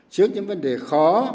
trước những vấn đề khó